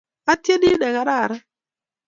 Atyeni negararan